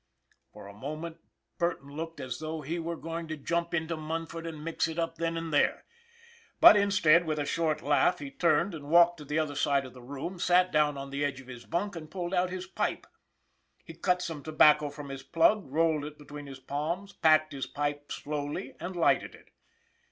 " For a moment Burton looked as though he were MUNFORD 329 going to jump into Munford and mix it then and there; but instead, with a short laugh, he turned and walked to the other side of the room, sat down on the edge of his bunk and pulled out his pipe. He cut some tobacco from his plug, rolled it between his palms, packed his pipe slowly and lighted it.